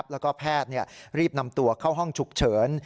แล้วก็แพทย์รีบนำตัวเข้าห้องฉุกเฉิน